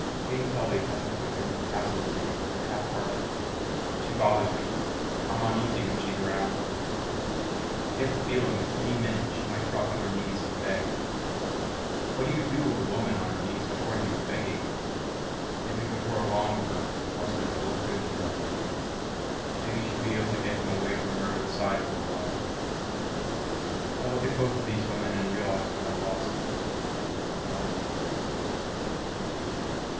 Jane Kelvey hasn't quit making passes at me but they're half hearted. She bothers me. I'm uneasy when she's around. I get the feeling that any minute she might drop to her knees and beg. What do you do with a woman on her knees before you, begging? Maybe before long her husband will look good to her. Maybe she'll be able to get him away from Murdo's side for a while. I look at both these women and realize what I lost. Melody.